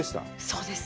そうです。